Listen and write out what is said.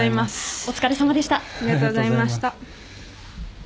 お疲れさまでした。